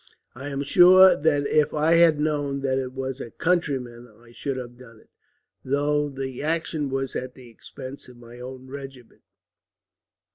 I am sure that if I had known that it was a countryman I should have done it, though the action was at the expense of my own regiment.